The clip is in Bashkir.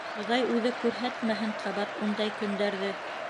Хоҙай үҙе күрһәтмәһен ҡабат ундай көндәрҙе!..